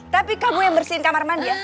tapi kamu yang bersihin kamar mandi